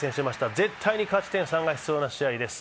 絶対に勝ち点３が必要な試合です。